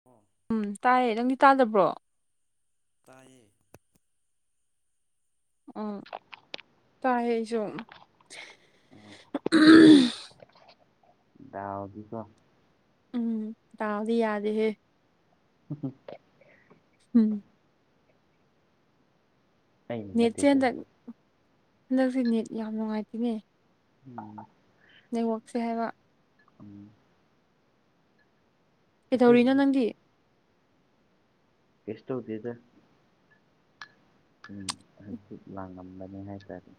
[inaudible] ꯎꯝ ꯇꯥꯏꯌꯦ ꯅꯪꯗꯤ ꯇꯥꯗꯕ꯭ꯔꯣ ꯇꯥꯏꯌ‌ꯦ ꯎꯝ ꯇꯥꯏ ꯑꯩꯁꯨ ꯗꯥꯎꯗꯤꯀꯣ ꯎꯝ ꯗꯥꯎꯗꯤ ꯌꯥꯗ‌ꯦꯍꯦ [unintelligible] ꯎꯝ ꯑꯩꯅ ꯅꯦꯠꯁꯦ ꯅꯠꯇꯦꯀꯣ ꯍꯟꯗꯛ ꯍꯟꯗꯛꯁꯦ ꯅꯦꯠ ꯌꯥꯝ ꯅꯨꯡꯉꯥꯏꯇꯦꯅꯦ ꯎꯝ ꯅꯦꯠꯋꯥꯛꯁꯦ ꯍꯥꯏꯕ ꯎꯝ ꯀꯩꯗꯧꯔꯤꯅꯣ ꯑꯩꯈꯣꯏꯒꯤꯗꯤ ꯅꯪꯗꯤ ꯀꯩꯁꯨ ꯇꯧꯗ‌ꯦꯗ ꯎꯝ ꯍꯥꯡꯆꯤꯠ ꯂꯥꯡꯉꯝꯕꯅꯤ ꯍꯥꯏꯇꯥꯔꯦ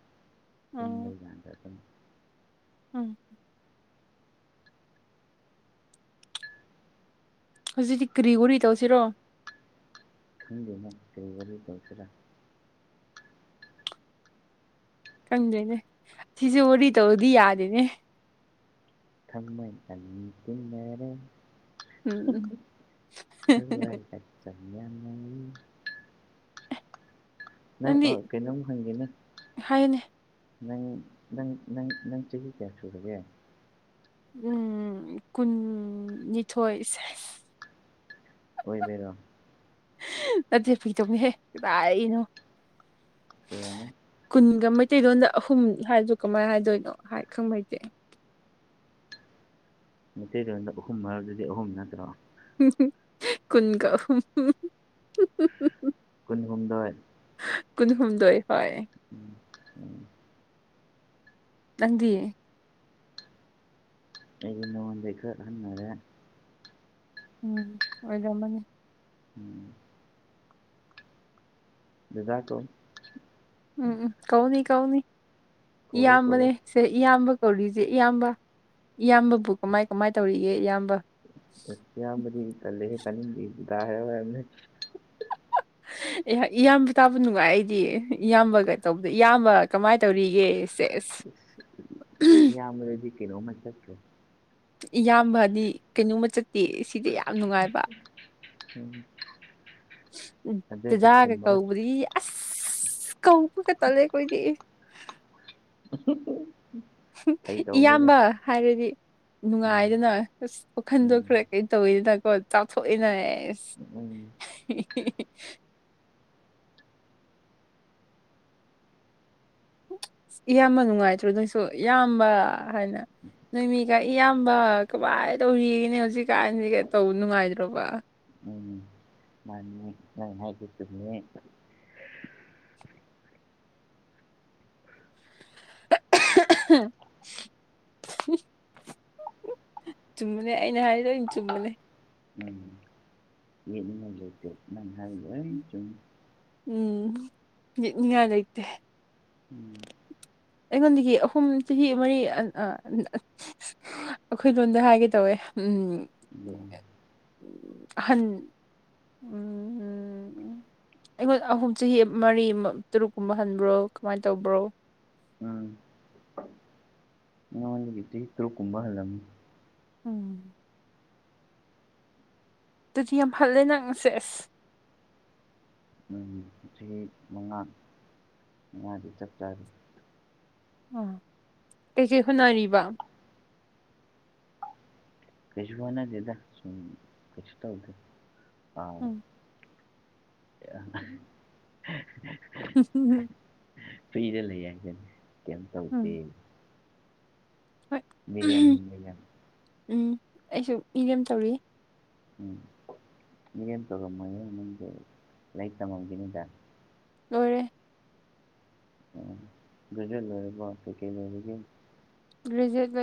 ꯇꯨꯝꯕ ꯑꯣ ꯌꯥꯗꯗꯅꯥ ꯎꯝ ꯍꯧꯖꯤꯛꯇꯤ ꯀꯔꯤ ꯋꯥꯔꯤ ꯇꯧꯁꯤꯔꯣ ꯈꯪꯗ‌ꯦꯗ ꯀꯔꯤ ꯋꯥꯔꯤ ꯇꯧꯁꯤꯔꯥ ꯈꯪꯗꯔ‌ꯦꯅꯦ ꯁꯤꯁꯨ ꯋꯥꯔꯤ ꯇꯧꯔꯗꯤ ꯌꯥꯗꯦꯅꯦ ꯊꯃ‌ꯣꯏ ꯑꯅꯤ ꯇꯤꯟꯅꯔ‌ꯦ ꯎꯝ ꯎꯝ ꯊꯋꯥꯏ ꯍꯛꯆꯥꯡ ꯌꯥꯅꯔꯤ ꯅꯪ ꯅꯪꯗꯤ ꯑꯣ ꯀꯩꯅꯪꯝ ꯍꯪꯒꯦꯅꯥ ꯍꯥꯏꯌꯨꯅꯦ ꯅꯪ ꯅꯪ ꯅꯪ ꯅꯪ ꯆꯍꯤ ꯀꯌꯥ ꯁꯨꯨꯔꯒꯦ ꯎꯝ ꯀꯨꯟꯅꯤꯊꯣꯏ‌ ꯁ‌ꯦꯁ ꯑꯣꯏꯕꯩꯔꯣ ꯅꯠꯇꯦ ꯐꯩꯒꯤꯗꯧꯅꯤꯍꯦ ꯀꯗꯥꯏꯅꯣ ꯀꯌꯥꯅ‌ꯣ ꯀꯨꯟꯒ ꯃꯩꯇꯩ‌ꯂ‌ꯣꯟꯗ ꯑꯍꯨꯝ ꯍꯥꯏꯁꯨ ꯀꯃꯥꯏꯅ ꯍꯥꯏꯗꯣꯏꯅꯣ ꯍꯥꯏ ꯈꯪꯕ ꯍꯩꯇ‌ꯦ ꯃꯩꯇꯩꯔꯣꯟꯗ ꯑꯍꯨꯝ ꯍꯥꯏꯕꯗꯨꯗꯤ ꯑꯍꯨꯝ ꯅꯠꯇ꯭ꯔꯣ ꯀꯨꯟꯒ ꯑꯍꯨꯝ ꯀꯨꯟꯍꯨꯝꯗꯣꯏ ꯀꯨꯟꯍꯨꯝꯗꯣꯏ ꯍ‌ꯣꯏ ꯎꯝ ꯎꯝ ꯅꯪꯗꯤ ꯑꯩ ꯅꯉ‌ꯣꯟꯗꯒꯤ ꯈ꯭ꯔꯥ ꯍꯅꯔꯦ ꯎꯝ ꯑꯣꯏꯔꯝꯃꯅꯤ [unintelligible] [inaudible] ꯗꯤꯅꯔ ꯇꯣ ꯎꯝ ꯎꯝ ꯀꯧꯅꯤ ꯀꯧꯅꯤ ꯀꯧꯔꯣ ꯀꯧꯔꯣ ꯏꯌꯥꯝꯕꯅꯦ ꯁꯦ ꯏꯌꯥꯝꯕ ꯀꯧꯔꯤꯁꯦ ꯏꯌꯥꯝꯕ ꯏꯌꯥꯝꯕꯕꯨ ꯀꯃꯥꯏ ꯀꯃꯥꯏ ꯇꯧꯔꯤꯒꯦ ꯏꯌꯥꯝꯕ ꯏꯌꯥꯝꯕꯗꯤ ꯇꯜꯂꯦ ꯇꯅꯤꯡꯗ‌ꯦ ꯗꯥ ꯍꯥꯏꯔꯛꯎ ꯍꯥꯏꯕꯅ‌ꯦ ꯏꯌꯥꯝꯕ ꯇꯥꯕ ꯅꯨꯡꯉꯥꯏ ꯑꯩꯗꯤ ꯏꯌꯥꯝꯕꯒ ꯇꯧꯕꯗ ꯏꯌꯥꯝꯕ ꯀꯃꯥꯏꯅ ꯇꯧꯔꯤꯒꯦ ꯁꯦꯁ [unintelligible] ꯏꯌꯥꯝꯕ ꯗꯨꯗꯤ ꯀꯩꯅꯣꯃ ꯆꯠꯈ꯭ꯔꯦ ꯏꯌꯥꯝꯕ ꯍꯥꯏꯗꯤ ꯀꯩꯅꯣꯝꯃ ꯆꯠꯇꯦ ꯁꯤꯗꯤ ꯌꯥꯝ ꯅꯨꯡꯉꯥꯏꯕ ꯎꯝ ꯎꯝ ꯑꯗꯨꯑꯣꯏꯗꯤ ꯗꯥꯗꯥꯒ ꯈꯨꯝꯃꯔꯣꯏ ꯀꯧꯕꯗꯤ ꯑ ꯀꯒ ꯇꯂꯦ ꯑꯩ ꯀꯣꯏꯗꯤ [unintelligible] ꯐꯥꯒꯤ ꯇꯧꯕꯅꯤꯗ ꯏꯌꯥꯝꯕ ꯍꯥꯏꯔꯗꯤ ꯎꯝ ꯅꯨꯡꯉꯥꯏꯗꯅ ꯑꯁ ꯋꯥꯈꯟꯗꯣ ꯎꯝ ꯈꯔ ꯀꯩ ꯇꯧꯋꯤꯗꯅꯀꯣ ꯆꯥꯎꯥꯊꯣꯛꯏꯅ ꯑꯦꯁ ꯎꯝ [unintelligible] ꯏꯌꯥꯝꯕ ꯅꯨꯡꯉꯥꯏꯇ꯭ꯔꯣ ꯅꯣꯏꯁꯨ ꯏꯌꯥꯝꯕ ꯍꯥꯏꯅ ꯅꯣꯏꯃꯤꯒ ꯏꯌꯥꯝꯕ ꯀꯃꯥꯏꯅ ꯇꯧꯔꯤꯒꯅꯦ ꯍꯧꯖꯤꯛꯀꯥꯟꯁꯤꯒ ꯇꯧ ꯅꯨꯡꯉꯥꯏꯗ꯭ꯔꯣꯕ ꯎꯅꯤ ꯑ [unintelligible] ꯎ ꯆꯨꯝꯃꯅꯦ ꯑꯩꯅ ꯍꯥꯏꯗꯝ ꯆꯨꯝꯕꯅꯦ ꯎ ꯅ ꯍꯥꯏꯒ ꯆ ꯎꯝ ꯌꯦꯠꯅꯤꯡꯉꯥꯏ ꯂꯩꯇꯦ ꯎꯝ ꯑꯩꯉꯣꯟꯗꯒꯤ ꯑꯍꯨꯝ ꯆꯍꯤ ꯃꯔꯤ ꯑꯩꯈꯣꯏ ꯂꯣꯝꯗ ꯍꯥꯏꯒꯦ ꯇꯧꯋꯦ ꯎꯝ ꯎꯝ ꯍꯍꯟ ꯎ ꯑꯩꯉꯣꯟ ꯑꯍꯨꯝ ꯆꯍꯤ ꯃꯔꯤ ꯇꯔꯨꯛꯀꯨꯝꯕ ꯍꯟꯕ꯭ꯔꯣ ꯀꯃꯥꯏꯅ ꯇꯧꯕ꯭ꯔꯣ ꯎꯝ ꯇꯨ ꯀꯨꯝꯕ ꯍꯜꯂꯝ ꯎꯝ ꯑꯗꯨꯗꯤ ꯌꯥꯝ ꯐꯜꯂꯦ ꯅꯪꯁꯦ ꯑꯁ [unintelligible] ꯆꯍꯤ ꯃꯉꯥ ꯃꯉꯥꯗꯤ ꯆꯞꯆꯥꯔꯦ ꯑꯣ ꯀꯩꯀꯩ ꯍꯣꯠꯅꯔꯤꯕ ꯀꯩꯖꯨꯅ ꯗꯦꯗ ꯁꯨꯝꯁꯨ ꯇꯧꯗ ꯎꯝ ꯑꯥ ꯍꯝ ꯍ ꯍ ꯐꯨꯤꯔ ꯂꯩ ꯍꯥꯏꯒꯅꯤ ꯀꯩꯝ ꯎꯝ ꯇꯧꯁꯦ ꯍꯣꯏ ꯃꯂꯟ ꯃꯂꯌꯟ ꯎꯝ ꯑꯩꯁꯨ ꯃꯤꯅꯦꯦꯝ ꯇꯧꯔꯤ ꯎꯝ ꯃꯤꯔꯦꯝ ꯇꯧꯔꯝꯃ ꯅꯪꯒꯤ ꯂꯥꯏꯔꯤꯛ ꯇꯝꯃꯝꯒꯤꯅꯤꯗ ꯂꯣꯏꯔꯦ ꯎꯝ ꯑꯗꯨꯗ ꯂꯔꯦꯀꯣ ꯀꯩ ꯀꯩ ꯂꯩꯔꯒ ꯭ꯔꯤꯖꯨꯌꯦꯠꯦ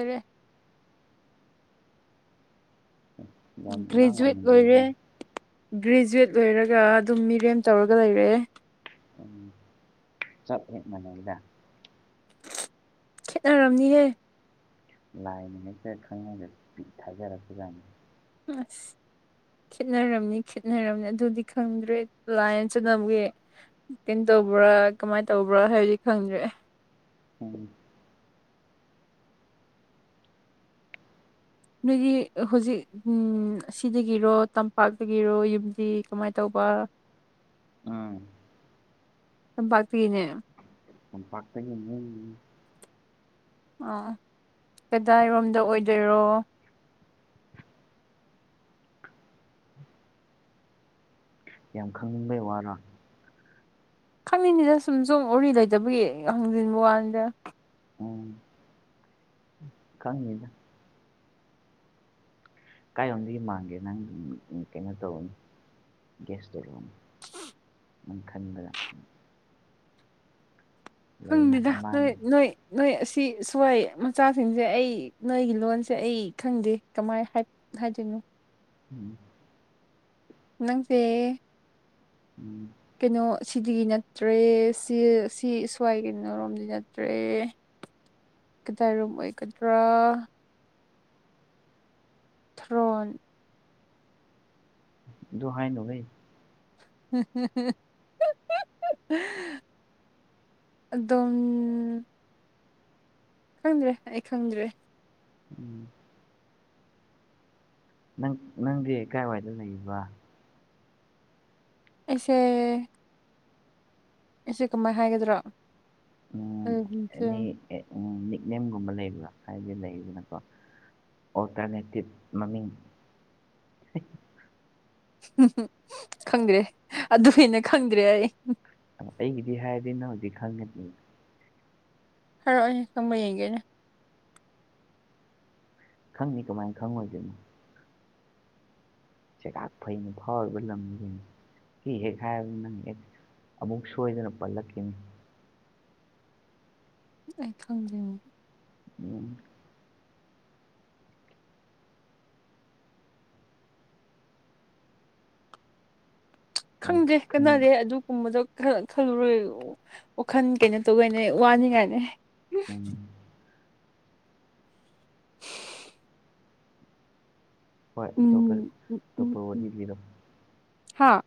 ꯎ ꯒ꯭ꯔꯦꯖꯨꯋꯦꯠ ꯑꯣꯏꯔꯦ ꯒ꯭ꯔꯦꯖꯨꯋꯦꯠ ꯂꯣꯏꯔꯒ ꯑꯗꯨꯝ ꯃꯤꯔꯦꯝ ꯇꯧꯔꯒ ꯂꯩꯔꯦ ꯎꯝ ꯆꯠ ꯍꯦꯛ ꯃꯅꯦꯗ ꯈꯦꯠꯅꯔꯝꯅꯤꯍꯦ ꯂꯥꯏꯅꯤꯡꯅ ꯆ ꯈꯪ ꯅꯗꯦ ꯊꯖꯔꯁꯨ ꯌꯥꯝ ꯑꯁ ꯈꯦꯠꯅꯔꯝꯅꯤ ꯈꯈꯤꯠꯅꯔꯝꯅꯤ ꯑꯗꯨꯗꯤ ꯈꯪꯗ꯭ꯔꯦ ꯂꯥꯏꯅ ꯆꯅꯕꯒꯤ ꯀꯩꯅꯣ ꯇꯧꯕ꯭ꯔꯥ ꯀꯃꯥꯏꯅ ꯇꯧꯕ꯭ꯔꯥ ꯍꯥꯏꯕꯗꯤ ꯈꯪꯗ꯭ꯔꯦ ꯎꯝ ꯅꯣꯏꯒꯤ ꯍꯧꯖꯤꯛ ꯎꯝ ꯑꯁꯤꯗꯒꯤꯔꯣ ꯇꯝꯄꯥꯛꯇꯒꯤꯔꯣ ꯌꯨꯝꯗꯤ ꯀꯃꯥꯏꯅ ꯇꯧꯕ ꯎꯝ ꯆꯄꯥꯄꯤꯅꯦ ꯄꯇ ꯑꯥ ꯀꯗꯥꯏꯔꯣꯝꯗ ꯑꯣꯏꯗꯣꯏꯔꯣ ꯌꯥꯝ ꯈꯪꯅꯤꯡꯕꯩ ꯋꯥꯅ ꯈꯪꯅꯤꯡꯅꯤꯗ ꯁꯨꯝ ꯁꯣꯡ ꯎꯔꯤ ꯂꯩꯇꯕꯒꯤ ꯍꯪꯖꯤꯟꯕ ꯋꯥꯅꯤꯗ ꯈꯪꯉꯗ ꯀꯥꯏꯣꯝꯗꯒꯤ ꯃꯥꯡꯒꯦ ꯅꯪꯝ ꯀꯩꯅꯣ ꯇꯧꯔꯅꯤ ꯒ꯭ꯌꯥꯁ ꯇꯧꯔꯛꯑꯅꯤ ꯅꯝ ꯈꯟꯕꯗ ꯂꯩꯅ ꯈꯪꯗꯦꯗ ꯑꯃꯥꯟ ꯅꯣꯏ ꯅꯣꯏ ꯅꯣꯏ ꯑꯁꯤ ꯁꯣꯏ ꯃꯆꯥꯁꯤꯡꯁꯦ ꯑꯩ ꯅꯣꯏꯒꯤ ꯂꯣꯟꯁꯦ ꯑꯩ ꯈꯪꯗꯦ ꯀꯃꯥꯏ ꯍꯥꯏ ꯍꯥꯏꯖ ꯎꯝ ꯅꯪꯁꯦ ꯎꯝ ꯀꯩꯅꯣ ꯁꯤ ꯅꯠꯇ꯭ꯔꯦ ꯁꯤ ꯁꯤ ꯁ꯭ꯋꯥꯏ ꯀꯩꯅꯔꯣꯝꯗꯤ ꯅꯠꯇ꯭ꯔꯦ ꯀꯗꯥꯏꯔꯨꯝ ꯑꯣꯏꯒꯗ꯭ꯔꯥ ꯊ꯭ꯔꯣꯟ ꯗꯨꯍꯥꯏ ꯅꯚ ꯎꯝ ꯎꯝ ꯑꯗꯨꯝ ꯈꯪꯗ꯭ꯔꯦ ꯑꯩ ꯈꯪꯗ꯭ꯔꯦ ꯎꯝ ꯅꯪ ꯅꯪꯗꯤ ꯀꯥꯏꯋꯥꯏꯗ ꯂꯩꯕ ꯑꯦꯁꯦ ꯑꯦꯁꯦ ꯀꯃꯥꯏ ꯍꯥꯏꯒꯗ꯭ꯔꯣ ꯑꯩ ꯑꯦꯅꯤ ꯅꯤꯛꯅꯦꯦꯝꯒꯨꯝꯕ ꯂꯩꯕ꯭ꯔꯥ ꯍꯥꯏꯕꯗꯤ ꯂꯩꯗꯅꯀꯣ ꯑꯣ ꯇꯅꯦ ꯃꯃꯤ ꯎꯝ ꯈꯪꯗ꯭ꯔꯦ ꯑꯗꯨꯃꯅ ꯈꯪꯗ꯭ꯔꯦ ꯑꯩ ꯑꯩꯒꯤꯗꯤ ꯍꯥꯏꯔꯗꯤ ꯅ ꯍꯧꯖꯤꯛ ꯈꯪꯒꯅꯤ ꯐꯔꯛꯑꯣꯅꯦ ꯈꯪꯕ ꯌꯦꯡꯒꯦꯅꯦ ꯈꯪꯅꯤ ꯀꯃꯥꯏꯅ ꯈꯪꯉꯣꯏꯁꯤꯣꯏꯅꯣ ꯆꯦꯒꯥꯛ ꯐꯩꯅ ꯐꯥꯎꯔꯤꯕ ꯂꯝꯁꯤꯅꯤ ꯐꯤ ꯍꯦꯛ ꯍꯥꯏꯔꯕ ꯅꯪ ꯍꯦꯛ ꯑꯃꯨꯛ ꯁꯣꯏꯗꯅ ꯄꯜꯂꯛꯈꯤꯅꯤ ꯑꯩ ꯈꯪꯗꯦꯕ ꯎꯝ ꯌꯥꯝ ꯈꯪꯗ꯭ꯔꯦ ꯈꯪ ꯀꯅꯔꯦ ꯑꯗꯨꯒꯨꯝꯕꯗꯣ ꯈꯜꯂꯨꯔꯣꯏ ꯋꯥꯈꯜ ꯀꯩꯅꯣ ꯇꯧꯒꯅꯦ ꯋꯥꯅꯤꯡꯉꯥꯏꯅꯦ ꯎꯝ ꯍꯣꯏ ꯑꯇꯣꯞꯄ ꯎꯝ ꯑꯇꯣꯞꯄ ꯋꯥꯔꯤꯕꯤꯔꯣ ꯍꯥꯥ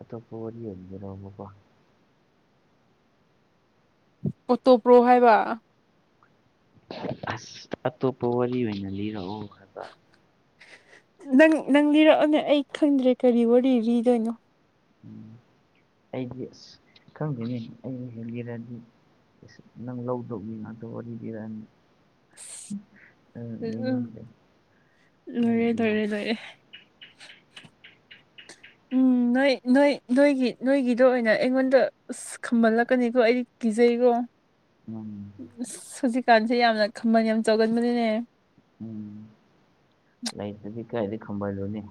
ꯑꯇꯣꯞꯄ ꯋꯥꯔꯤ ꯑꯣꯏꯟꯕꯤꯅꯕꯀꯣ ꯑꯣꯇꯣꯄ꯭ꯔꯣ ꯍꯥꯏꯕ ꯑꯁ ꯑꯇꯣꯞꯄ ꯋꯥꯔꯤ ꯑꯣꯏꯅ ꯂꯤꯔꯛꯑꯣ ꯈꯕ ꯅꯪ ꯅꯪ ꯂꯤꯔꯛꯑꯣꯅꯦ ꯑꯩ ꯈꯪꯗ꯭ꯔꯦ ꯀꯔꯤ ꯋꯥꯔꯤ ꯂꯤꯗꯣꯏꯅꯣ ꯎꯝ ꯑꯩꯗꯤ ꯑꯁ ꯈꯪꯗꯅꯤ ꯑꯩꯅ ꯍꯦꯟꯜꯂꯤꯔꯗꯤ ꯑꯁ ꯅꯪ ꯂꯧꯗꯧꯕꯒꯤ ꯉꯥꯛꯇ ꯋꯥꯔꯤꯗꯤꯔꯅꯤ ꯑꯅꯤ ꯎꯝ ꯃ ꯂꯣꯏꯔꯦ ꯂꯣꯏꯔꯦ ꯂꯣꯏꯔꯦ ꯎꯝ ꯅꯣꯏ ꯅꯣꯏ ꯅꯣꯏꯒꯤ ꯅꯣꯏꯒꯤꯗ ꯑꯣꯏꯅ ꯑꯩꯉꯣꯟꯗ ꯑꯁ ꯑꯁ ꯈꯝꯍꯜꯂꯛꯀꯅꯤꯀꯣ ꯑꯩꯗꯤ ꯀꯤꯖꯩꯀꯣ ꯎꯝ ꯁꯨꯖꯤꯀꯥꯟꯁꯦ ꯌꯥꯝꯅ ꯈꯃꯟ ꯌꯥꯝ ꯆꯥꯎꯒꯟꯕꯅꯤꯅꯦ ꯎꯝ ꯂꯩꯇꯗꯤ ꯀꯥꯏꯗꯤ ꯈꯝꯕꯜꯂꯨꯅꯦ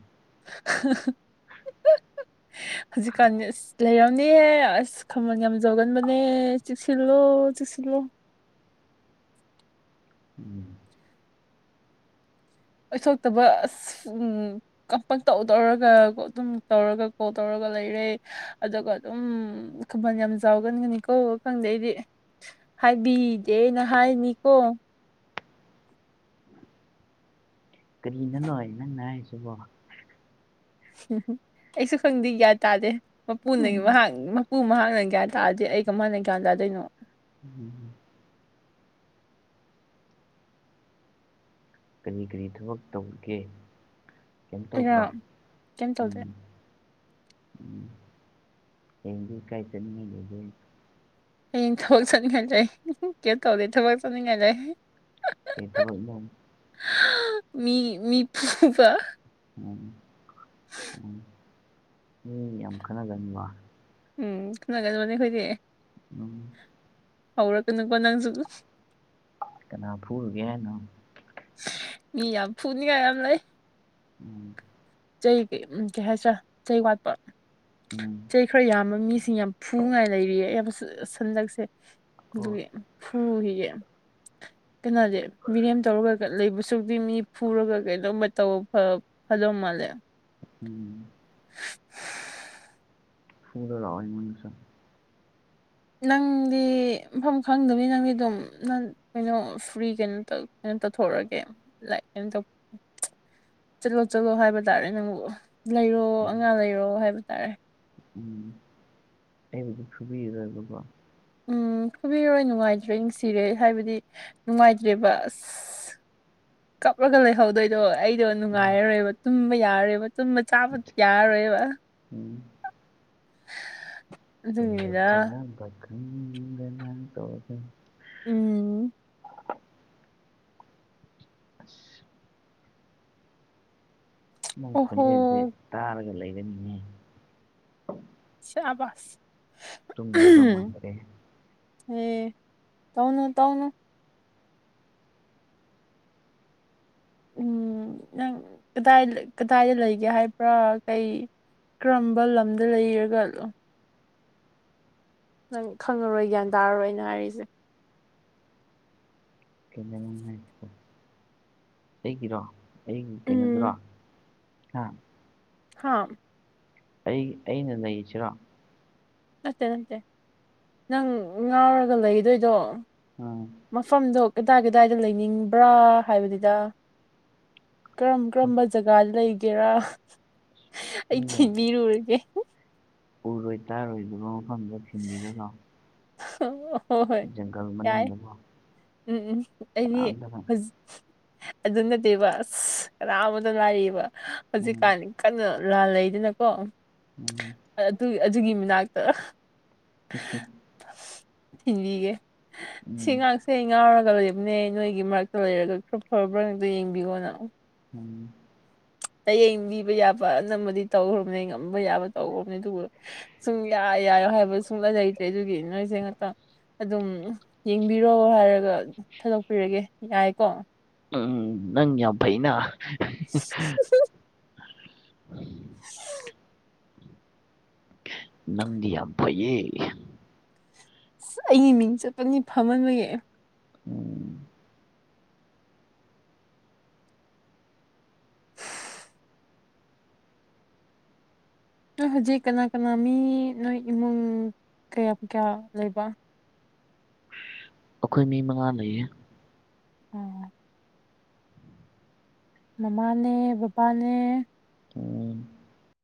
ꯍꯧꯖꯤꯛꯀꯥꯟ ꯂꯩꯔꯝꯅꯦꯍꯦ ꯑꯁ ꯈꯃꯜ ꯌꯥꯝꯖꯧꯒꯟꯕꯅꯦ ꯆꯨꯁꯤꯜꯂꯣ ꯆꯨꯁꯤꯜꯂꯣ ꯎꯝ ꯑꯣꯏꯊꯣꯛꯇꯕ ꯑꯁ ꯎꯝ ꯀꯄ ꯇꯧ ꯇꯧꯔꯒ ꯑꯗꯨꯝ ꯇꯧꯔꯒ ꯀꯣꯜ ꯇꯧꯔꯒ ꯂꯩꯔꯦ ꯑꯗꯨꯒ ꯑꯗꯨꯝ ꯈꯨꯃꯟ ꯌꯥꯝ ꯆꯥꯎꯒꯟꯒꯅꯤ ꯀ ꯈꯪꯗꯦ ꯑꯩꯗꯤ ꯍꯥꯏꯕꯤꯗꯦ ꯑꯩꯅ ꯍꯥꯏꯅꯤꯀꯣ ꯀꯔꯤꯅꯅꯣꯏ ꯅꯪꯅ ꯍꯥꯏꯔꯤꯁꯤꯕꯣ ꯎꯝ ꯑꯩꯁꯨ ꯈꯪꯗꯦ ꯀ꯭ꯌꯥ ꯇꯥꯔꯦ ꯃꯄꯨ ꯃꯍꯥꯛꯉꯤ ꯎ ꯃꯍꯥꯛꯅꯪ ꯒꯌꯥꯟ ꯇꯔꯗꯤ ꯑꯩ ꯀꯃꯅ ꯒ꯭ꯌꯥꯟ ꯇꯥꯗꯣꯏꯅꯣ ꯎꯝ ꯀꯔꯤ ꯀꯔꯤ ꯊꯕꯛ ꯇꯧꯒꯦ ꯀꯩꯅꯣ ꯑꯩꯔ ꯇꯗ꯭ꯔꯣ ꯀꯩꯝ ꯇꯧꯗꯦ ꯎꯝ ꯎꯝ ꯍꯦꯡꯒꯤ ꯀꯩꯁꯅꯤ ꯂꯩ ꯑꯩꯅ ꯊꯕꯛ ꯆꯠꯅꯤꯡꯉꯥꯏ ꯂꯩ ꯀꯩꯅ ꯇꯧꯗꯦ ꯊꯕꯛ ꯆꯠꯅꯤꯡꯉꯥꯏ ꯂꯩ ꯀꯇꯕꯅ ꯃꯤ ꯃꯤ ꯄꯄꯥ ꯎꯝ ꯎꯝ ꯍ ꯌꯥꯝ ꯈꯟꯅꯒꯅꯤꯕ ꯎꯝ ꯈꯅꯒꯗꯕꯅꯦ ꯑꯩꯈꯣꯏꯗꯤ ꯎ ꯍꯧꯔ ꯀ ꯅꯪꯒꯣꯟ ꯅꯪꯁꯨ ꯀꯅꯥ ꯐꯨꯒꯦ ꯍꯥꯏꯅꯣ ꯃꯤ ꯌꯥꯝ ꯐꯨꯅꯤꯉꯥꯏ ꯌꯥꯝ ꯂꯩ ꯎꯝ ꯆꯩ ꯎ ꯀꯩ ꯍꯥꯏꯁꯤꯔꯥ ꯆꯩ ꯋꯥꯠꯄ ꯎꯝ ꯆꯩ ꯈꯔ ꯌꯥꯝꯕ ꯃꯤꯁꯤꯡ ꯌꯥꯝ ꯐꯨꯉꯥꯏ ꯂꯩꯔꯤꯌꯦ ꯌꯥꯝ ꯁꯟꯗꯛꯁꯦ ꯑꯣ ꯑꯗꯨꯒꯤ ꯐꯨꯔꯨꯈꯤꯌꯦ ꯀꯅꯥꯗꯤꯦ ꯃꯤꯔꯦꯝ ꯇꯧꯔꯒ ꯂꯩꯕꯁꯨꯗꯤ ꯃꯤ ꯐꯨꯔꯒ ꯀꯩꯅꯣꯃ ꯇꯧ ꯍꯜꯂꯣ ꯃꯥꯂꯦ ꯎꯝ [inaudible] ꯐꯗ ꯍꯋꯥꯏ ꯃ ꯅꯪꯗꯤ ꯃꯐꯝ ꯈꯪꯗꯕꯅꯤ ꯅꯪꯗꯤ ꯑꯗꯨꯝ ꯅꯪ ꯀꯩꯅꯣ ꯐ꯭ꯔꯤ ꯀꯩꯅꯣ ꯀꯩꯅꯣ ꯇꯧꯊꯣꯛꯛꯑꯒꯦ ꯂꯥꯏꯛ ꯀꯩꯅꯣ ꯇ ꯆꯠꯂꯣ ꯆꯠꯂꯣ ꯍꯥꯏꯕ ꯇꯥꯔꯦ ꯅꯪꯕꯨ ꯂꯩꯔꯣ ꯎꯝ ꯑꯉꯥꯡ ꯂꯩꯔꯣ ꯍꯥꯏꯕ ꯇꯥꯔꯦ ꯎꯝ ꯑꯩꯕ ꯈꯕꯤꯔ ꯔꯕꯕꯣ ꯎꯝ ꯐꯨꯕꯤꯔꯔꯣꯏ ꯅꯨꯡꯉꯥꯏꯇ꯭ꯔꯦ ꯅꯨꯡꯁꯤꯔꯦ ꯍꯥꯏꯕꯗꯤ ꯅꯨꯡꯉꯥꯏꯇ꯭ꯔꯦꯕ ꯑꯁ ꯀꯞꯂꯒ ꯂꯩꯍꯧꯗꯣꯏꯗꯣ ꯑꯩꯗꯣ ꯎꯝ ꯅꯨꯡꯉꯥꯏꯔꯔꯣꯏꯕ ꯇꯨꯝꯕ ꯌꯥꯔꯣꯏꯕ ꯇꯨꯝꯕ ꯆꯥꯕ ꯌꯥꯔꯣꯏꯕ ꯎꯝ [inaudible] ꯆꯗ ꯇ ꯎꯝ ꯏꯃꯨꯡ ꯈꯨꯣꯟꯖꯦꯜꯁꯦ ꯑꯣꯍꯣ ꯇꯥꯔꯒ ꯂꯩꯕꯅꯤꯅꯦ ꯆꯥꯕꯁ ꯇꯨꯝ ꯌꯥꯗꯧ ꯃꯥꯟꯗ꯭ꯔꯦ ꯑꯦ ꯇꯧꯅꯨ ꯇꯧꯅꯨ ꯎꯝ ꯅꯪ ꯀꯗꯥꯏ ꯀꯗꯥꯏꯗ ꯂꯩꯒꯦ ꯍꯥꯏꯕ꯭ꯔꯥ ꯀꯩ ꯀꯔꯝꯕ ꯂꯝꯗ ꯂꯩꯔꯤꯒ ꯅꯪ ꯈꯪꯉꯔꯣꯏ ꯒ꯭ꯌꯥꯟ ꯇꯥꯔꯔꯣꯏꯅ ꯍꯥꯏꯔꯤꯁꯦ [unintelligible] [inaudible] ꯑꯩꯒꯤꯔꯣ ꯑꯩꯒꯤ ꯀꯩꯅꯣꯗꯔꯣ ꯎꯝ ꯍꯥ ꯍꯥꯥ ꯑꯩ ꯑꯩꯅ ꯂꯩꯔꯤꯁꯤꯔꯣ ꯅꯠꯇꯦ ꯅꯠꯇꯦ ꯅꯪ ꯉꯥꯎꯔꯒ ꯂꯩꯗꯣꯏꯗꯣ ꯎꯝ ꯃꯐꯝꯗꯣ ꯀꯗꯥꯏ ꯀꯗꯥꯏꯗ ꯂꯩꯅꯤꯡꯕ꯭ꯔꯥ ꯍꯥꯏꯕꯅꯤꯗ ꯀꯔꯝ ꯈꯪ ꯀꯔꯝꯕ ꯖꯒꯥ ꯂꯩꯒꯦꯔꯥ ꯑꯩ ꯃꯤꯅ ꯊꯦꯕꯤꯔꯨꯔꯒꯦ ꯎꯔꯣꯏ ꯇꯥꯔꯣꯏꯗꯕ ꯃꯐꯝꯗ ꯊꯤꯟꯕꯤꯔꯒ ꯍꯣꯏ ꯍꯣꯏ ꯖꯪꯪꯒꯥꯜ ꯌꯥꯏ ꯃꯅꯨꯡꯗ ꯎꯝ ꯎꯝ ꯑꯩꯗꯤ ꯑꯗꯨꯅꯠꯇꯦꯕ ꯑꯁ ꯀꯅꯥ ꯑꯃꯇ ꯂꯥꯏꯕ ꯎꯝ ꯍꯧꯖꯤꯛꯀꯥꯟꯅꯤ ꯀꯩꯅꯣ ꯂꯥꯜ ꯂꯩꯗꯅꯀꯣ ꯎꯝ ꯑꯗꯨ ꯑꯗꯨꯒꯤ ꯃꯅꯥꯛꯇ [unintelligible] ꯊꯤꯟꯕꯤꯒꯦ ꯎꯝ ꯁꯤꯉꯥꯡ ꯁꯤ ꯉꯥꯎꯔꯒ ꯂꯩꯕꯅꯦ ꯅꯣꯏꯒꯤ ꯃꯔꯛꯇ ꯂꯩꯔꯒ ꯈꯔ ꯐꯕ꯭ꯔꯥ ꯉꯛꯇ ꯌꯦꯡꯕꯤꯌꯣꯅ ꯎꯝ ꯆꯌꯦꯡꯕꯤꯕ ꯌꯥꯕ ꯑꯅꯝꯕꯗꯤ ꯇꯧꯈ꯭ꯔꯕꯅꯦ ꯉꯝꯕ ꯌꯥꯕ ꯇꯧꯈꯕꯅꯤ ꯑꯗꯨꯕꯨ ꯁꯨꯝ ꯌꯥꯏ ꯌꯥꯏꯔꯣ ꯍꯥꯏꯕ ꯁꯨꯡꯂ ꯂꯩꯇ꯭ꯔꯦ ꯑꯗꯨꯒꯤ ꯅꯣꯏꯁꯦ ꯉꯥꯛꯇꯪ ꯑꯗꯨꯝ ꯌꯦꯡꯕꯤꯔꯣ ꯍꯥꯏꯔꯒ ꯊꯥꯗꯣꯛꯄꯤꯔꯒꯦ ꯌꯥꯏꯀꯣ ꯎꯝ ꯅꯪ ꯌꯥꯝ ꯐꯩꯅ ꯅꯗꯤꯌꯥ ꯐꯩꯌꯦ ꯑꯁ ꯑꯩꯒꯤ ꯃꯤꯡ ꯆꯠꯄꯅꯤ ꯐꯝꯃꯟꯕꯒꯤ ꯎꯝ ꯅꯣꯏ ꯍꯧꯖꯤꯛ ꯀꯅꯥ ꯀꯅꯥ ꯃꯤ ꯅꯣꯏ ꯏꯃꯨꯡ ꯀꯌꯥꯝ ꯀꯌꯥ ꯂꯩꯕ ꯑꯩꯈꯣꯏ ꯃꯤ ꯃꯉꯥ ꯂꯩꯌꯦ ꯎꯝ ꯃꯃꯥꯅꯦ ꯕꯕꯥꯅꯦ [unintelligible]